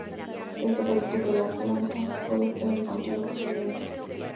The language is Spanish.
Esto, permite que la planta pueda estar en continuo crecimiento.